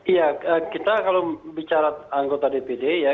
iya kita kalau bicara anggota dpd ya